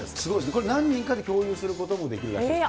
これ何人かで共有することもできるらしいです。